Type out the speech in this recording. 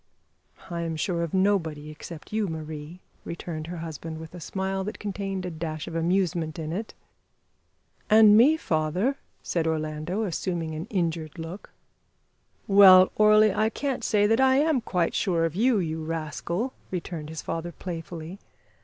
"I am sure of nobody except you, Marie," returned her husband, with a smile that contained a dash of amusement in it. "And me, father," said Orlando, assuming an injured look. "Well, Orley, I can't say that I am quite sure of you, you rascal," returned his father playfully.